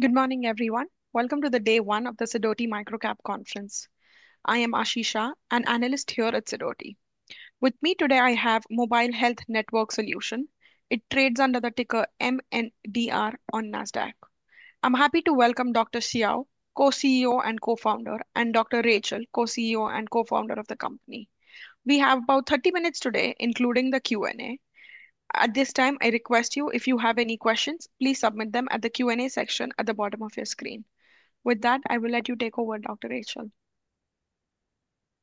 Good morning, everyone. Welcome to the Day 1 of the Sidothi Microcap Conference. I am Ashisha, an analyst here at Sidothi. With me today, I have Mobile-health Network Solutions. It trades under the ticker MNDR on NASDAQ. I'm happy to welcome Dr. Siaw, co-CEO and co-founder, and Dr. Rachel, co-CEO and co-founder of the company. We have about 30 minutes today, including the Q&A. At this time, I request you, if you have any questions, please submit them at the Q&A section at the bottom of your screen. With that, I will let you take over, Dr. Rachel.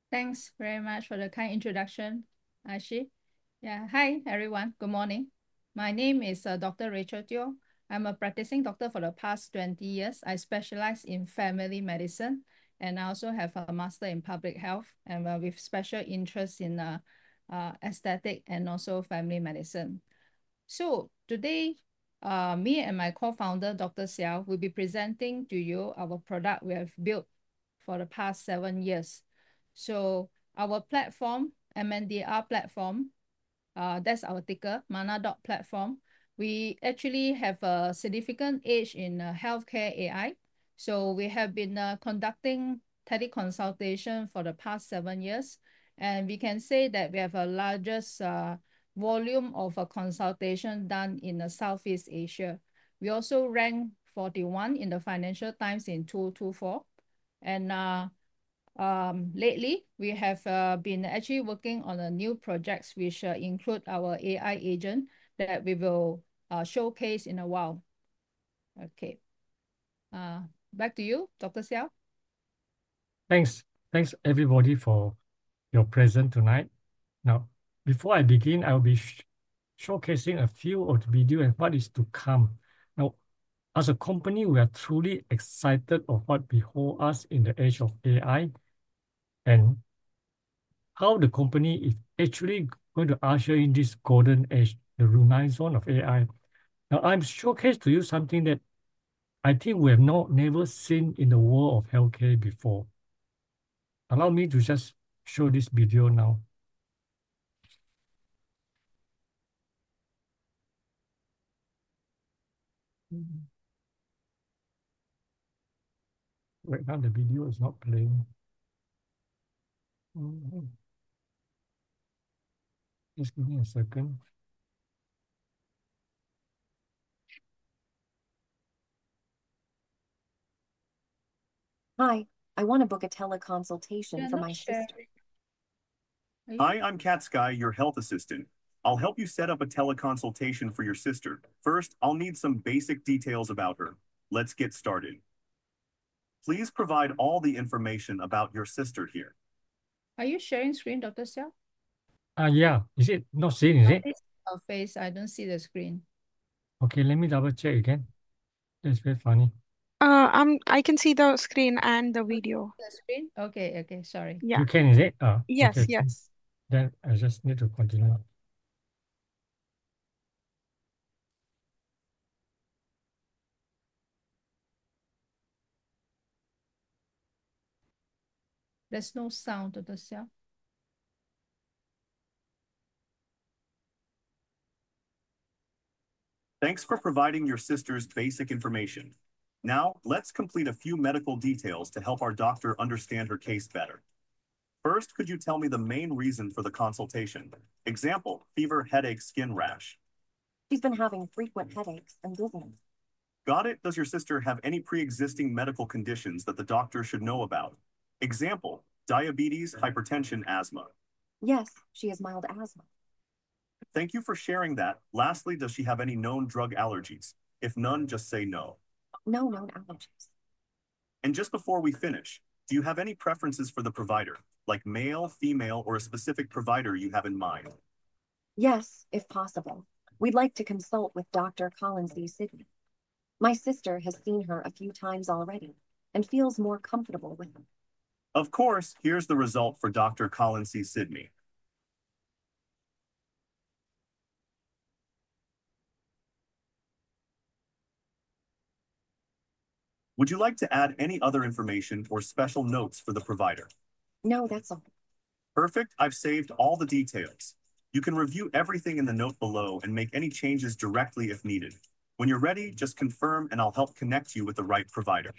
Thanks very much for the kind introduction, Ashisha. Yeah, hi, everyone. Good morning. My name is Dr. Rachel Teoh. I'm a practicing doctor for the past 20 years. I specialize in family medicine, and I also have a master's in public health and with special interests in aesthetic and also family medicine. Today, me and my co-founder, Dr. Siaw, will be presenting to you our product we have built for the past seven years. Our platform, MNDR Platform, that's our ticker, MNDR. We actually have a significant edge in healthcare AI. We have been conducting teleconsultation for the past seven years. We can say that we have the largest volume of consultation done in Southeast Asia. We also ranked 41st in the Financial Times in 2024. Lately, we have been actually working on a new project, which includes our AI Agent that we will showcase in a while. Okay. Back to you, Dr. Siaw. Thanks. Thanks, everybody, for your presence tonight. Now, before I begin, I'll be showcasing a few of the videos and what is to come. Now, as a company, we are truly excited about what beholds us in the age of AI and how the company is actually going to usher in this golden age, the luminance zone of AI. Now, I'm showcasing to you something that I think we have never seen in the world of healthcare before. Allow me to just show this video now. Right now, the video is not playing. Just give me a second. Hi. I want to book a teleconsultation for my sister. Hi, I'm Cat Sky, your health assistant. I'll help you set up a teleconsultation for your sister. First, I'll need some basic details about her. Let's get started. Please provide all the information about your sister here. Are you sharing screen, Dr. Siaw? Yeah. Is it not seen, is it? Face. I don't see the screen. Okay. Let me double-check again. That's very funny. I can see the screen and the video. The screen? Okay. Okay. Sorry. Yeah. You can, is it? Yes. Yes. I just need to continue. There's no sound, Dr. Siaw. Thanks for providing your sister's basic information. Now, let's complete a few medical details to help our doctor understand her case better. First, could you tell me the main reason for the consultation? Example, fever, headache, skin rash. She's been having frequent headaches and dizziness. Got it. Does your sister have any pre-existing medical conditions that the doctor should know about? Example, diabetes, hypertension, asthma. Yes, she has mild asthma. Thank you for sharing that. Lastly, does she have any known drug allergies? If none, just say no. No known allergies. Just before we finish, do you have any preferences for the provider, like male, female, or a specific provider you have in mind? Yes, if possible. We'd like to consult with Dr. Collinssey Sidney. My sister has seen her a few times already and feels more comfortable with her. Of course. Here's the result for Dr. Collinssey Sidney. Would you like to add any other information or special notes for the provider? No, that's all. Perfect. I've saved all the details. You can review everything in the note below and make any changes directly if needed. When you're ready, just confirm, and I'll help connect you with the right provider.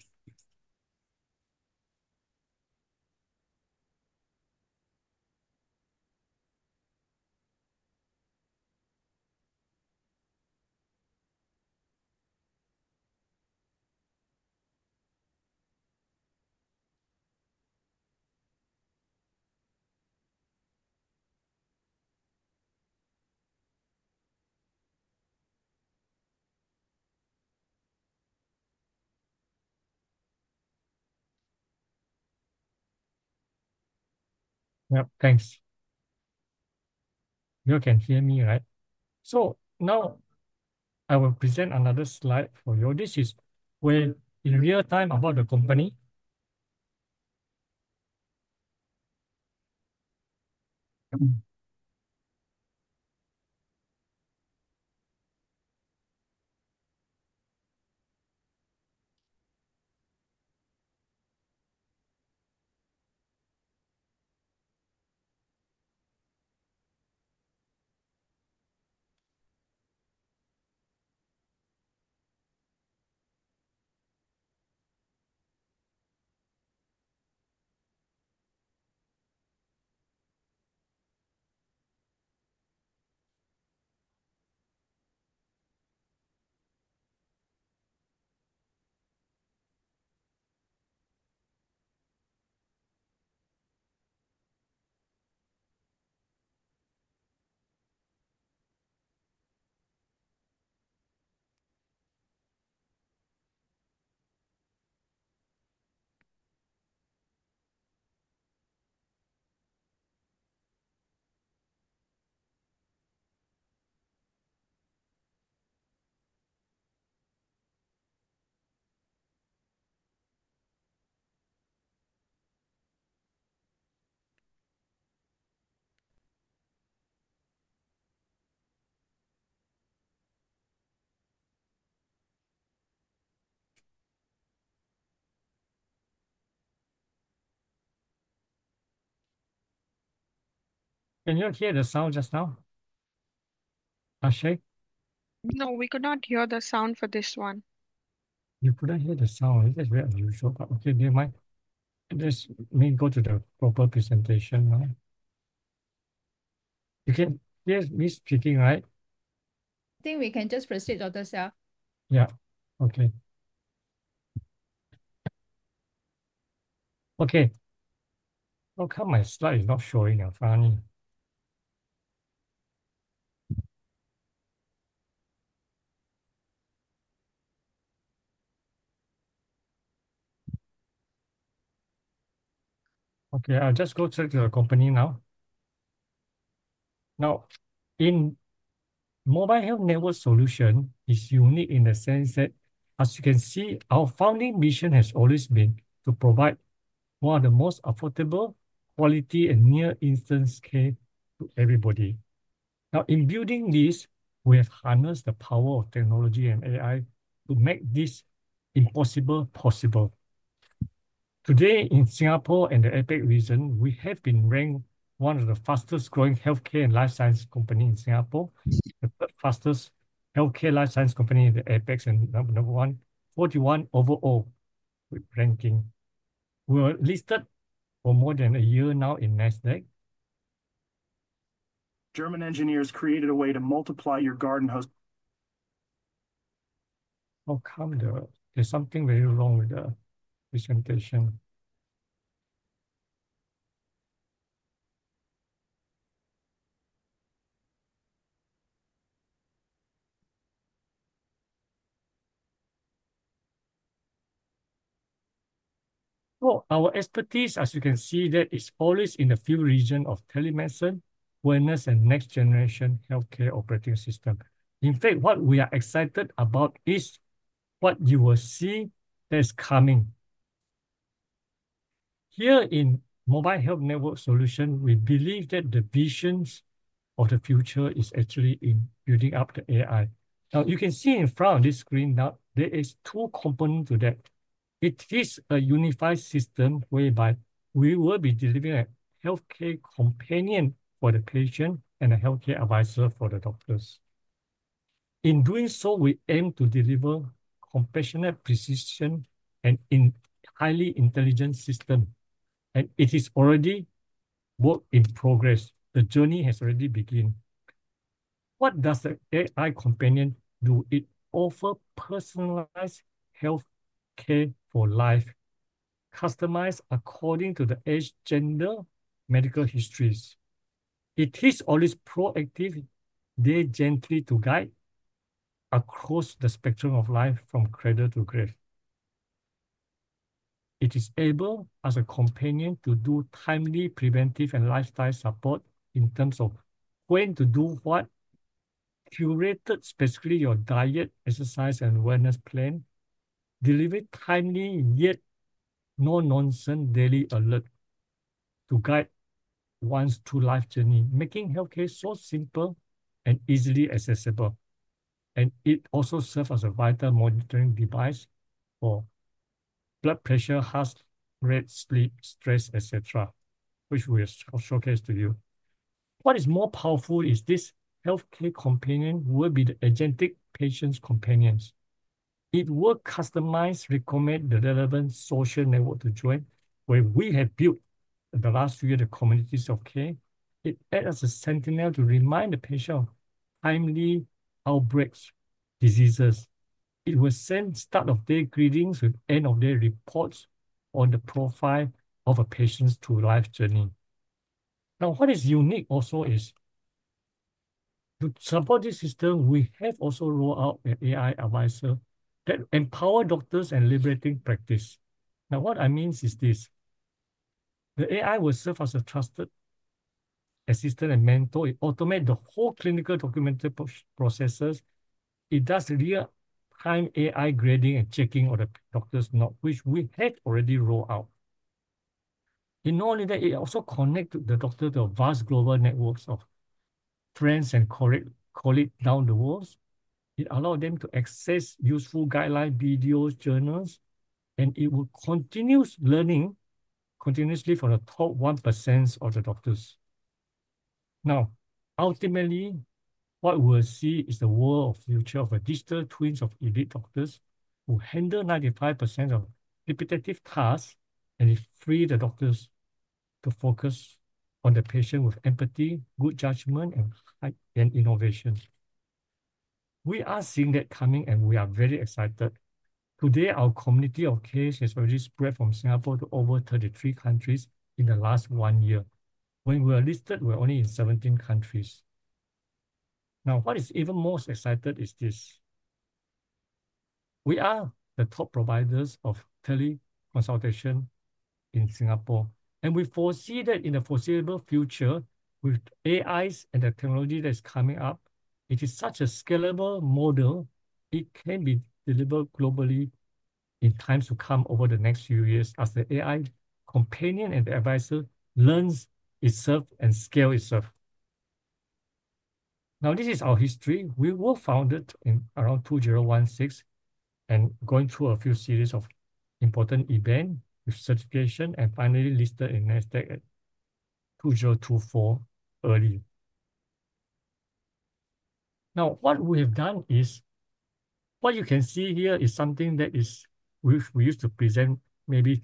Yep. Thanks. You can hear me, right? Now, I will present another slide for you. This is where in real time about the company. Can you hear the sound just now, Ashisha? No, we could not hear the sound for this one. You couldn't hear the sound. This is very unusual. Okay, do you mind? Just let me go to the proper presentation. Okay. Hears me speaking, right? I think we can just proceed, Dr. Siaw. Yeah. Okay. Okay. How come my slide is not showing? It's funny. Okay. I'll just go straight to the company now. Now, in Mobile-health Network Solutions, it's unique in the sense that, as you can see, our founding mission has always been to provide one of the most affordable, quality, and near-instant care to everybody. Now, in building this, we have harnessed the power of technology and AI to make this impossible possible. Today, in Singapore and the APEC region, we have been ranked one of the fastest-growing healthcare and life science companies in Singapore, the third fastest healthcare life science company in the APEC and number one, 41 overall ranking. We were listed for more than a year now in NASDAQ. German engineers created a way to multiply your garden hose. How come there's something very wrong with the presentation? Oh, our expertise, as you can see, that is focused in the field region of telemedicine, wellness, and next-generation Health Operating System. In fact, what we are excited about is what you will see that is coming. Here in Mobile-health Network Solutions, we believe that the vision of the future is actually in building up the AI. Now, you can see in front of this screen now, there are two components to that. It is a unified system whereby we will be delivering a healthcare companion for the patient and a healthcare advisor for the doctors. In doing so, we aim to deliver compassionate precision and a highly intelligent system. It is already a work in progress. The journey has already begun. What does the AI Companion do? It offers personalized healthcare for life, customized according to the age, gender, and medical histories. It is always proactive, there gently to guide across the spectrum of life from cradle to grave. It is able, as a companion, to do timely preventive and lifestyle support in terms of when to do what, curated specifically your diet, exercise, and wellness plan, delivered timely yet no-nonsense daily alert to guide one's true life journey, making healthcare so simple and easily accessible. It also serves as a vital monitoring device for blood pressure, heart rate, sleep, stress, etc., which we will showcase to you. What is more powerful is this healthcare companion will be the agentic patient's companions. It will customize, recommend the relevant social network to join where we have built in the last few years the communities of care. It acts as a sentinel to remind the patient of timely outbreaks, diseases. It will send start-of-day greetings with end-of-day reports on the profile of a patient's true life journey. Now, what is unique also is to support this system, we have also rolled out an AI Advisor that empowers doctors and liberates practice. Now, what I mean is this: the AI will serve as a trusted assistant and mentor. It automates the whole clinical documentation processes. It does real-time AI grading and checking of the doctor's note, which we had already rolled out. In order that, it also connects the doctor to a vast global network of friends and colleagues down the world. It allows them to access useful guidelines, videos, journals, and it will continue learning continuously for the top 1% of the doctors. Now, ultimately, what we will see is the world of the future of a digital twin of elite doctors who handle 95% of repetitive tasks and free the doctors to focus on the patient with empathy, good judgment, and innovation. We are seeing that coming, and we are very excited. Today, our community of care has already spread from Singapore to over 33 countries in the last one year. When we were listed, we were only in 17 countries. Now, what is even more exciting is this: we are the top providers of teleconsultation in Singapore. We foresee that in the foreseeable future, with AI and the technology that is coming up, it is such a scalable model. It can be delivered globally in times to come over the next few years as the AI companion and the advisor learns itself and scales itself. Now, this is our history. We were founded in around 2016 and going through a few series of important events with certification and finally listed in NASDAQ at 2024 early. Now, what we have done is what you can see here is something that we used to present maybe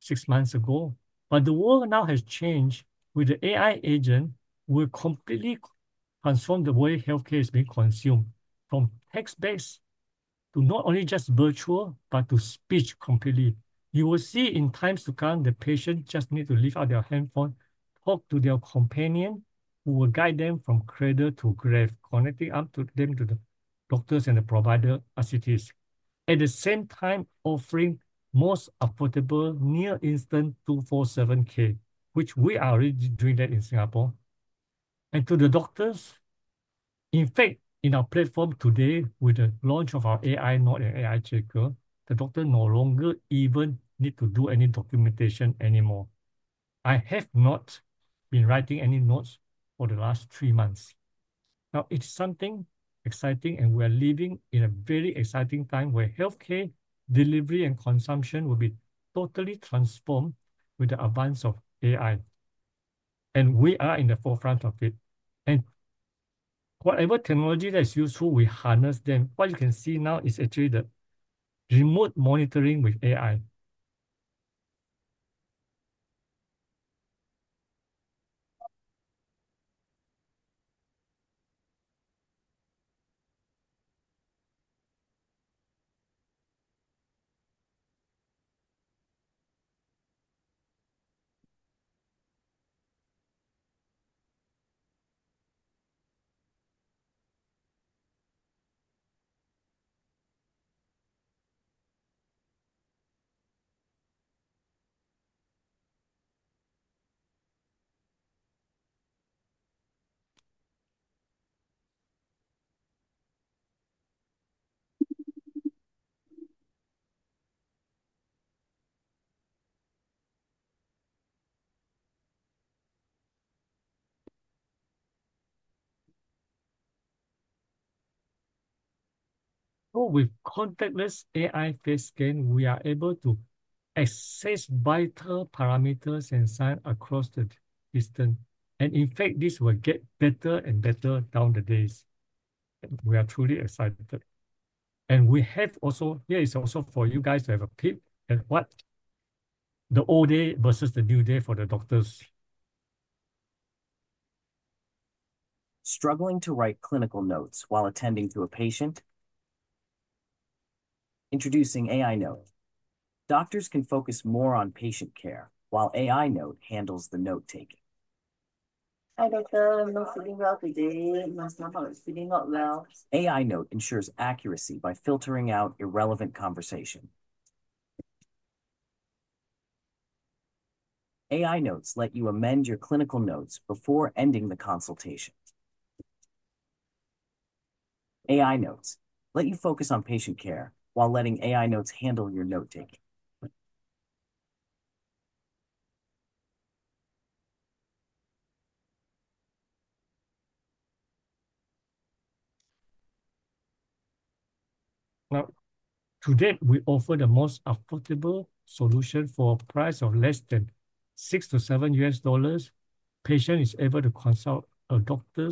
six months ago. The world now has changed with the AI Agent; we completely transformed the way healthcare is being consumed from text-based to not only just virtual but to speech completely. You will see in times to come, the patient just needs to lift up their handphone, talk to their companion who will guide them from cradle to grave, connecting them to the doctors and the provider as it is. At the same time, offering most affordable near-instant 24/7 care, which we are already doing that in Singapore. To the doctors, in fact, in our platform today, with the launch of our AI Note and AI Checker, the doctor no longer even needs to do any documentation anymore. I have not been writing any notes for the last three months. Now, it's something exciting, and we are living in a very exciting time where healthcare delivery and consumption will be totally transformed with the advance of AI. We are in the forefront of it. Whatever technology that is useful, we harness them. What you can see now is actually the remote monitoring with AI. Oh, with contactless AI face scan, we are able to access vital parameters and sign across the distance. In fact, this will get better and better down the days. We are truly excited. We have also—here is also for you guys to have a peek at what the old day versus the new day for the doctors. Struggling to write clinical notes while attending to a patient? Introducing AI Note. Doctors can focus more on patient care while AI Note handles the note-taking. Hi Doctor. I'm not feeling well today. My stomach is feeling not well. AI Note ensures accuracy by filtering out irrelevant conversation. AI Notes let you amend your clinical notes before ending the consultation. AI Notes let you focus on patient care while letting AI Notes handle your note-taking. Now, today, we offer the most affordable solution for a price of less than $6-$7. Patients are able to consult a doctor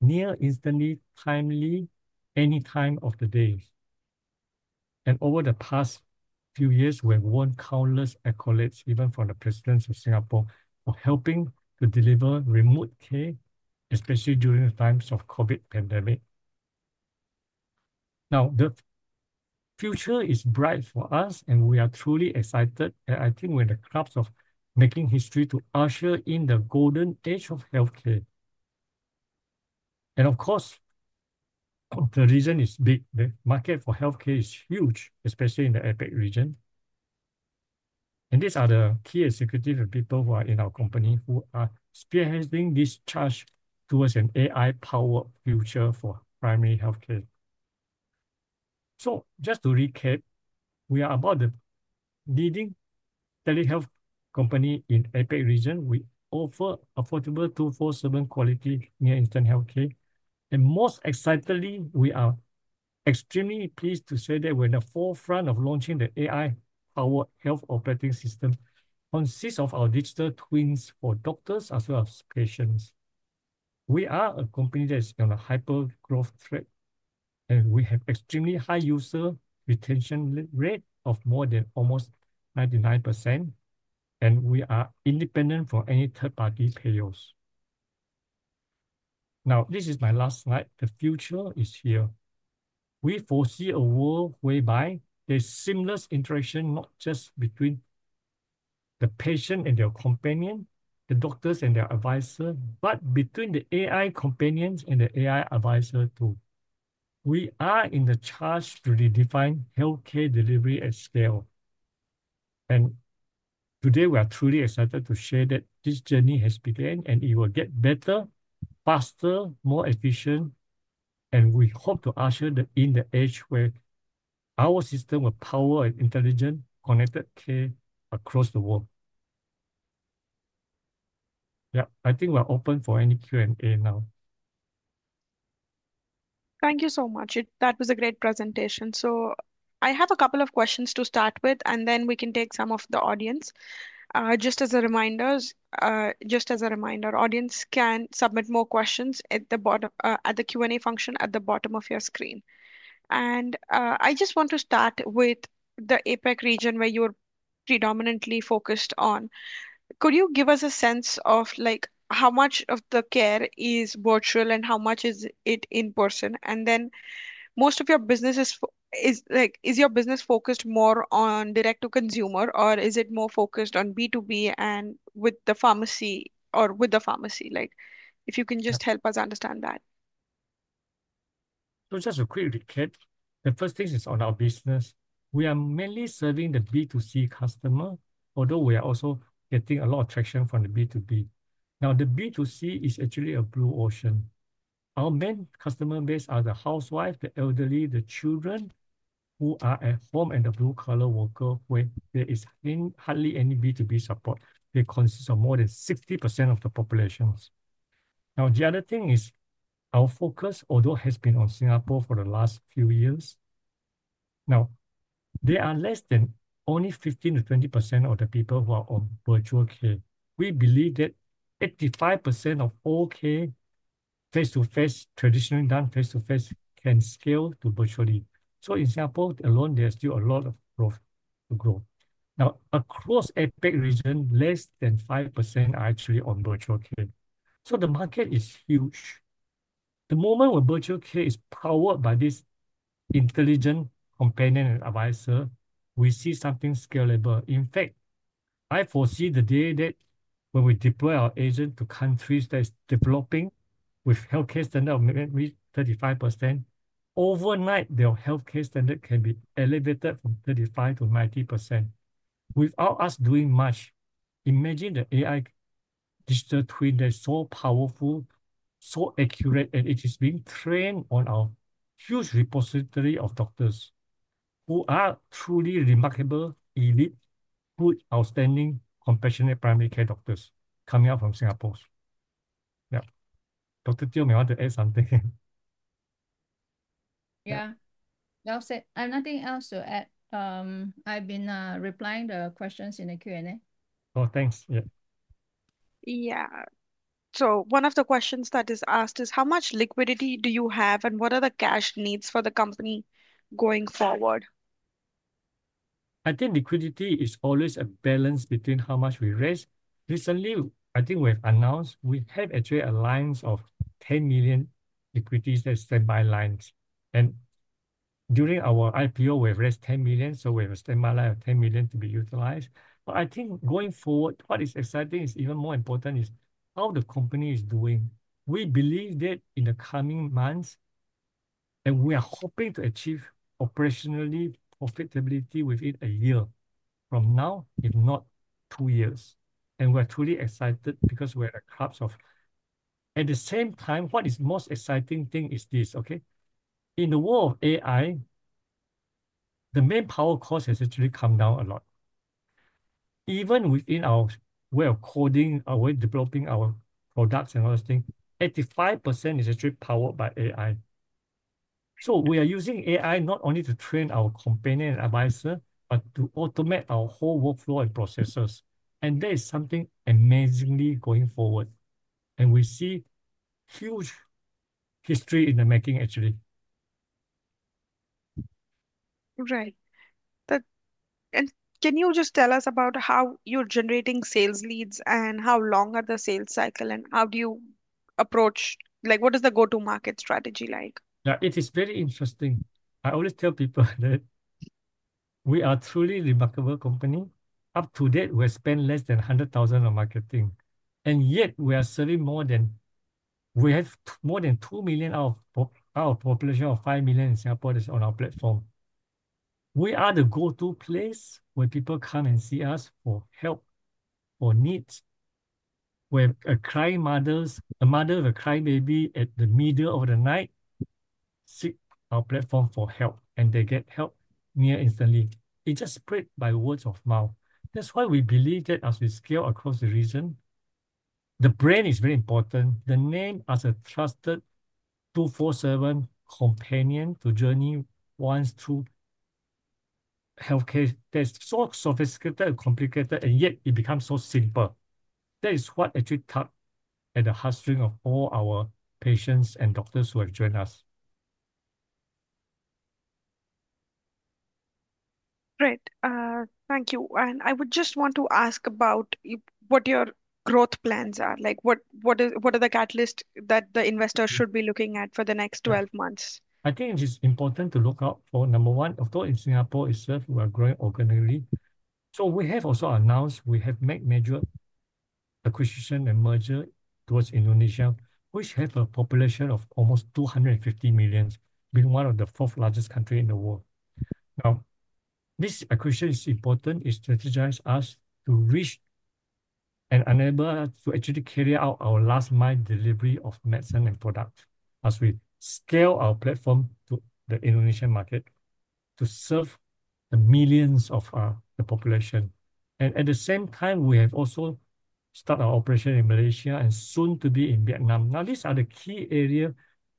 near instantly, timely, any time of the day. Over the past few years, we've won countless accolades, even from the presidents of Singapore, for helping to deliver remote care, especially during the times of the COVID pandemic. The future is bright for us, and we are truly excited. I think we're in the crux of making history to usher in the golden age of healthcare. The reason is big. The market for healthcare is huge, especially in the APEC region. These are the key executives and people who are in our company who are spearheading this charge towards an AI-powered future for primary healthcare. Just to recap, we are about the leading telehealth company in the APEC region. We offer affordable 24/7 quality near-instant healthcare. Most excitingly, we are extremely pleased to say that we're in the forefront of launching the AI-powered Health Operating System, which consists of our digital twins for doctors as well as patients. We are a company that is on a hyper-growth thread, and we have an extremely high user retention rate of more than almost 99%. We are independent from any third-party payers. Now, this is my last slide. The future is here. We foresee a world whereby there's seamless interaction not just between the patient and their companion, the doctors and their advisor, but between the AI companions and the AI advisor too. We are in the charge to redefine healthcare delivery at scale. Today, we are truly excited to share that this journey has begun, and it will get better, faster, more efficient. We hope to usher in the age where our system will power intelligent, connected care across the world. Yeah, I think we're open for any Q&A now. Thank you so much. That was a great presentation. I have a couple of questions to start with, and then we can take some of the audience. Just as a reminder, audience can submit more questions at the Q&A function at the bottom of your screen. I just want to start with the APEC region where you're predominantly focused on. Could you give us a sense of how much of the care is virtual and how much is it in-person? Most of your business is, like, is your business focused more on direct-to-consumer, or is it more focused on B2B and with the pharmacy? Like, if you can just help us understand that. Just a quick recap. The first thing is on our business. We are mainly serving the B2C customer, although we are also getting a lot of traction from the B2B. Now, the B2C is actually a blue ocean. Our main customer base are the housewives, the elderly, the children who are at home, and the blue-collar workers where there is hardly any B2B support. It consists of more than 60% of the population. The other thing is our focus, although it has been on Singapore for the last few years. There are less than only 15%-20% of the people who are on virtual care. We believe that 85% of all care face-to-face, traditionally done face-to-face, can scale to virtually. In samples, there's still a lot of growth to grow. Across the APEC region, less than 5% are actually on virtual care. The market is huge. The moment where virtual care is powered by this intelligent companion and advisor, we see something scalable. In fact, I foresee the day that when we deploy our agent to countries that are developing with healthcare standards of maybe 35%, overnight, their healthcare standard can be elevated from 35%-90% without us doing much. Imagine the AI digital twin that is so powerful, so accurate, and it is being trained on our huge repository of doctors who are truly remarkable, elite, good, outstanding, compassionate primary care doctors coming out from Singapore. Yeah, Dr. Rachel, may want to add something? Yeah, that was it. Nothing else to add. I've been replying to the questions in the Q&A. Oh, thanks. Yeah. Yeah. So one of the questions that is asked is, how much liquidity do you have, and what are the cash needs for the company going forward? I think liquidity is always a balance between how much we raise. Recently, I think we've announced we have actually a line of $10 million liquidity as standby lines. During our IPO, we raised $10 million. We have a standby line of $10 million to be utilized. I think going forward, what is exciting is even more important is how the company is doing. We believe that in the coming months, and we are hoping to achieve operationally profitability within a year from now, if not two years. We're truly excited because we're at crux of. At the same time, what is the most exciting thing is this, okay? In the world of AI, the main power course has actually come down a lot. Even within our way of coding, our way of developing our products and other things, 85% is actually powered by AI. We are using AI not only to train our companion and advisor, but to automate our whole workflow and processes. There is something amazingly going forward. We see huge history in the making, actually. Right. Can you just tell us about how you're generating sales leads and how long are the sales cycle and how do you approach, like, what is the go-to-market strategy like? Yeah, it is very interesting. I always tell people that we are a truly remarkable company. Up to date, we have spent less than $100,000 on marketing. Yet, we are serving more than, we have more than 2 million out of our population of 5 million in Singapore that is on our platform. We are the go-to place where people come and see us for help, for needs. We're a crying mother, a mother of a crying baby at the middle of the night, seek our platform for help, and they get help near instantly. It's just spread by words of mouth. That's why we believe that as we scale across the region, the brand is very important. The name as a trusted 24/7 companion to journey ones through healthcare that is so sophisticated and complicated, and yet it becomes so simple. That is what actually tugs at the heartstrings of all our patients and doctors who have joined us. Great. Thank you. I would just want to ask about what your growth plans are. Like, what are the catalysts that the investor should be looking at for the next 12 months? I think it is important to look out for, number one, although in Singapore itself, we are growing organically. We have also announced we have made major acquisitions and mergers towards Indonesia, which has a population of almost 250 million, being one of the fourth-largest countries in the world. This acquisition is important; it strategizes us to reach and enable us to actually carry out our last-mile delivery of medicine and products as we scale our platform to the Indonesian market to serve the millions of the population. At the same time, we have also started our operation in Malaysia and soon to be in Vietnam. These are the key areas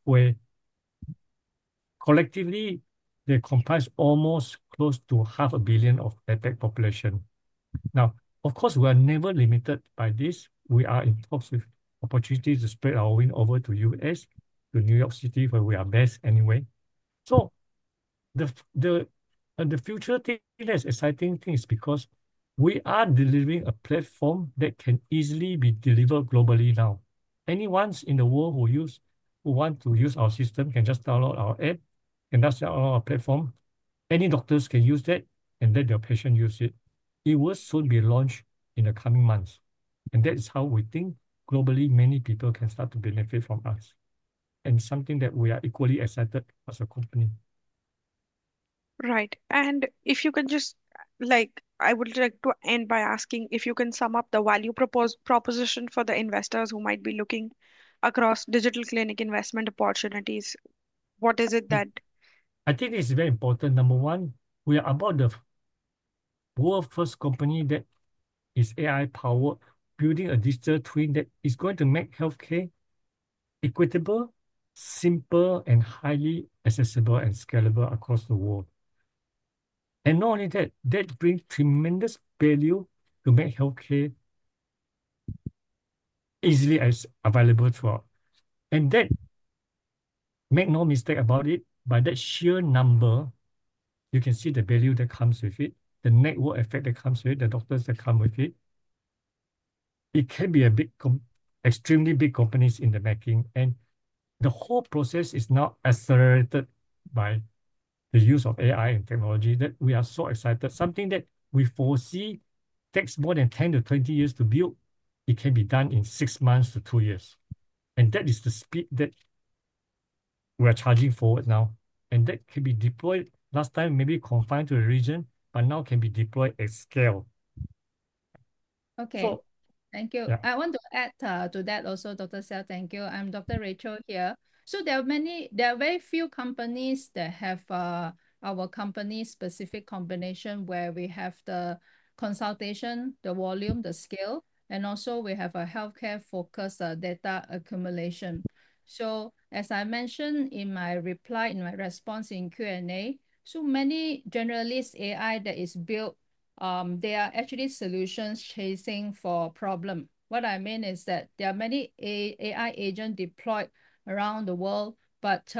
where collectively, they comprise almost close to half a billion of the APEC population. Of course, we are never limited by this. We are in talks with opportunities to spread our wing over to the U.S., to New York City, where we are based anyway. The future thing, the exciting thing is because we are delivering a platform that can easily be delivered globally now. Anyone in the world who wants to use our system can just download our app and just download our platform. Any doctors can use that and let their patients use it. It will soon be launched in the coming months. That is how we think globally many people can start to benefit from us. It is something that we are equally excited as a company. Right. If you can just, like, I would like to end by asking if you can sum up the value proposition for the investors who might be looking across digital clinic investment opportunities. What is it that? I think it's very important. Number one, we are about the world's first company that is AI-powered, building a digital twin that is going to make healthcare equitable, simple, and highly accessible and scalable across the world. Not only that, that brings tremendous value to make healthcare easily available to all. Make no mistake about it, by that sheer number, you can see the value that comes with it, the network effect that comes with it, the doctors that come with it. It can be a big, extremely big companies in the making. The whole process is now accelerated by the use of AI and technology that we are so excited. Something that we foresee takes more than 10 to 20 years to build, it can be done in six months to two years. That is the speed that we are charging forward now. That can be deployed last time, maybe confined to the region, but now can be deployed at scale. Okay. Thank you. I want to add to that also, Dr. Siaw, thank you. I'm Dr. Rachel here. There are very few companies that have our company-specific combination where we have the consultation, the volume, the scale. Also, we have a healthcare-focused data accumulation. As I mentioned in my reply, in my response in Q&A, many generalist AI that is built, they are actually solutions chasing for problems. What I mean is that there are many AI agents deployed around the world, but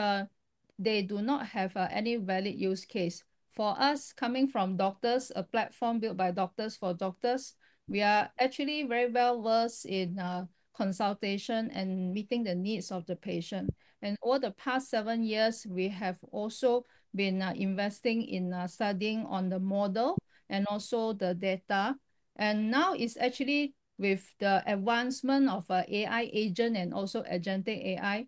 they do not have any valid use case. For us, coming from doctors, a platform built by doctors for doctors, we are actually very well-versed in consultation and meeting the needs of the patient. Over the past seven years, we have also been investing in studying on the model and also the data. It is actually with the advancement of AI agents and also agentic AI.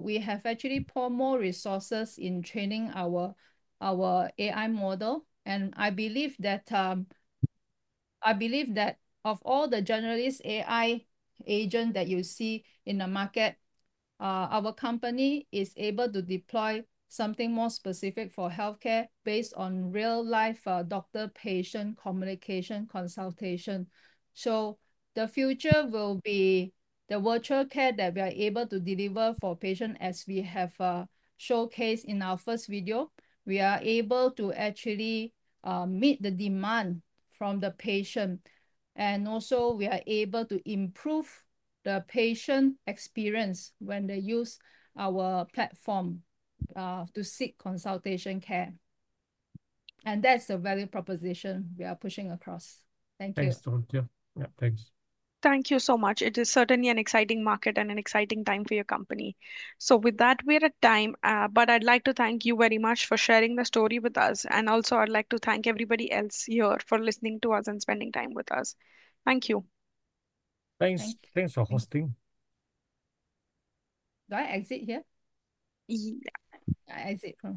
We have actually poured more resources in training our AI model. I believe that of all the generalist AI agents that you see in the market, our company is able to deploy something more specific for healthcare based on real-life doctor-patient communication consultation. The future will be the virtual care that we are able to deliver for patients as we have showcased in our first video. We are able to actually meet the demand from the patient. We are able to improve the patient experience when they use our platform to seek consultation care. That is the value proposition we are pushing across. Thank you. Thanks, Dr. Teoh. Yeah, thanks. Thank you so much. It is certainly an exciting market and an exciting time for your company. With that, we're at time. I'd like to thank you very much for sharing the story with us. I would also like to thank everybody else here for listening to us and spending time with us. Thank you. Thanks. Thanks for hosting. Do I exit here? Exit. Yeah, exit.